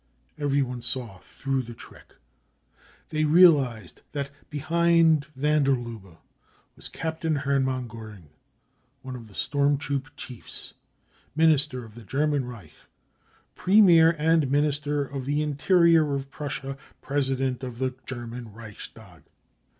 Everyone saw through the trick ; they realised that behind van der Lubbe was Captain Hermann Goering, one of the storm troop chiefs, Minister of the German Reich, Premier and Minister of the Interior of Prussia, President of the German Reichstag.